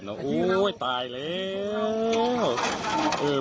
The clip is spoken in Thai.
โหตายแล้ว